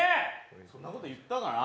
そんなこと言ったかな？